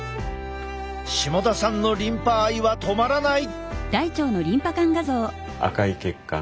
下田さんのリンパ愛は止まらない。